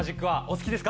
好きです！